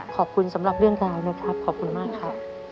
ขอบคุณสำหรับเรื่องราวนะครับขอบคุณมากครับ